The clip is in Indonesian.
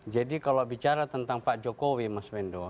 jadi kalau bicara tentang pak jokowi mas wendo